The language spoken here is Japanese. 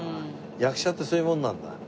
役者ってそういうもんなんだ？